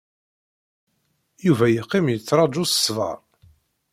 Yuba yeqqim yettṛaju s ṣṣber.